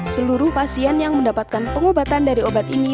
seluruh pasien yang mendapatkan pengobatan dari obat ini